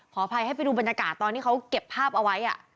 อภัยให้ไปดูบรรยากาศตอนที่เขาเก็บภาพเอาไว้